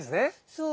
そう。